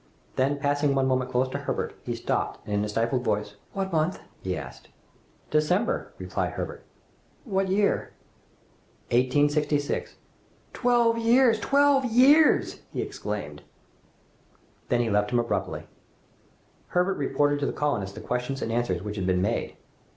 Then, passing one moment close to Herbert, he stopped and in a stifled voice, "What month?" he asked. "December," replied Herbert. "What year?" "1866." "Twelve years! twelve years!" he exclaimed. Then he left him abruptly. Herbert reported to the colonists the questions and answers which had been made.